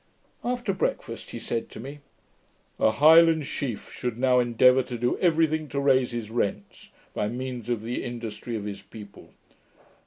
After breakfast, he said to me, 'A Highland chief should now endeavour to do every thing to raise his rents, by means of the industry of his people.